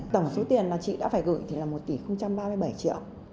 tổng số tiền mà chị đã phải gửi thì là một tỷ ba mươi bảy triệu